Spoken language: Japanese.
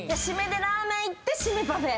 ラーメン行って締めパフェ。